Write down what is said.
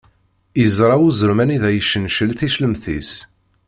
Iẓṛa uzrem anida iccencel ticlemt-is.